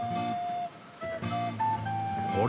あれ？